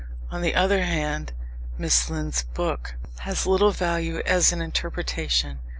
On the other hand, Miss Lind's book has little value as an interpretation.